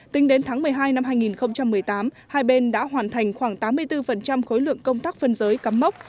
tính đến tháng một mươi hai năm hai nghìn một mươi tám hai bên đã hoàn thành khoảng tám mươi bốn khối lượng công tác phân giới cắm mốc